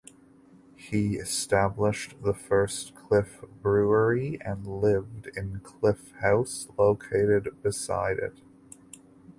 He established the first Cliff Brewery and lived in Cliff House located beside it.